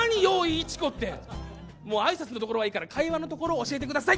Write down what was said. もう挨拶のところはいいから会話のところを教えてください。